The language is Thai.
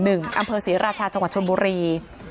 อำเภอศรีราชาจังหวัดชนบุรี